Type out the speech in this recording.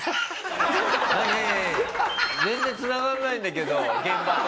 全然繋がらないんだけど現場と。